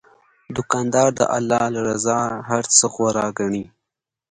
دوکاندار د الله رضا له هر څه غوره ګڼي.